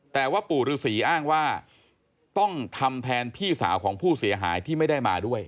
แต่ว่าปู่ฤษีอ้างว่าต้องทำแทนพี่สาวของผู้เสียหายที่ไม่ได้มาด้วย